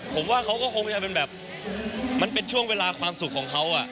ผมว่าเขาก็คงจะเป็นแบบมันเป็นช่วงเวลาความสุขของเขา